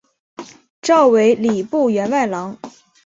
召为礼部员外郎。